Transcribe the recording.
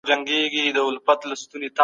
ده د پښتنو د تعليم او پوهې لپاره کار وکړ